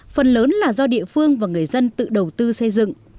phần lớn là do địa phương và người dân tự đầu tư xây dựng